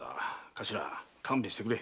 頭勘弁してくれ。